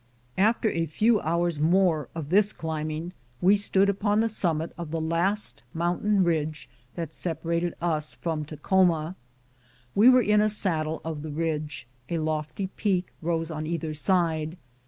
After a few hours more of this climbing^ we stood upon the summit of the last mountain ridge that sepa rated us from Takhoma. We were in a saddle of the ridge ; a lofty peak rose on either side.